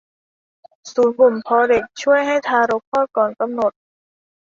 ศูนย์บ่มเพาะเด็กช่วยให้ทารกคลอดก่อนกำหนด